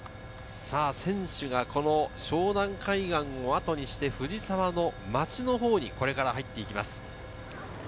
選手が湘南海岸をあとにして藤沢の町のほうにこれから入っていきます。